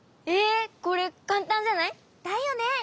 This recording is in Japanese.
ええ！これかんたんじゃない？だよね！